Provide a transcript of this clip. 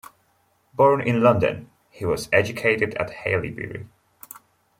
Born in London, he was educated at Haileybury.